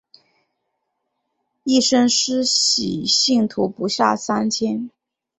一生施洗信徒不下三千。